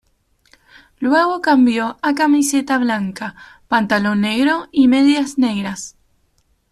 Luego cambió a camiseta blanca, pantalón negro y medias negras.